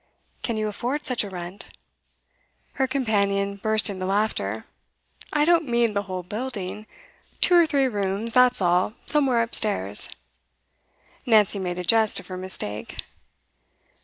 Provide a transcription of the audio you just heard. Can you afford such a rent?' Her companion burst into laughter. 'I don't mean the whole building. Two or three rooms, that's all, somewhere upstairs.' Nancy made a jest of her mistake.